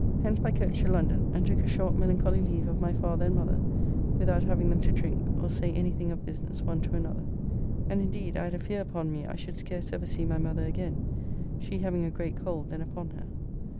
Hence by coach to London, and took a short melancholy leave of my father and mother, without having them to drink, or say anything of business one to another. And indeed I had a fear upon me I should scarce ever see my mother again, she having a great cold then upon her.